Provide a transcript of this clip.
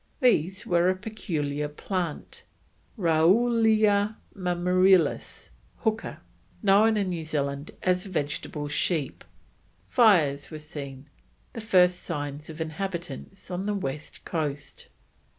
These were a peculiar plant, Raoulia mammillaris (Hooker), known in New Zealand as vegetable sheep. Fires were seen, the first sign of inhabitants on the west coast.